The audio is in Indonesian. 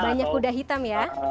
banyak kuda hitam ya